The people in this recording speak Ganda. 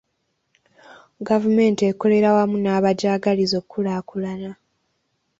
Gavumenti ekolera wamu n'abagyagaliza okukulaakulana.